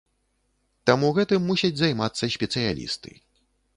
Таму гэтым мусяць займацца спецыялісты.